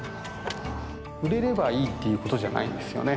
売れればいいっていうことじゃないですよね。